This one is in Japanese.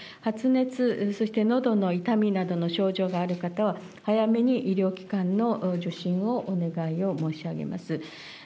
発熱、そしてのどの痛みなどの症状がある方は、早めに医療機関の受診をお願いを申し上げます。